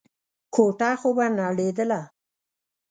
کوټه خو به نړېدله.